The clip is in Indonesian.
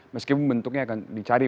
meskipun bentuknya akan dicari